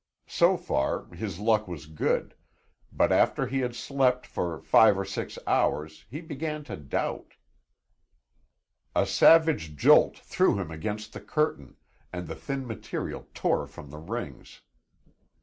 So far, his luck was good, but after he had slept for five or six hours he began to doubt. A savage jolt threw him against the curtain, and the thin material tore from the rings.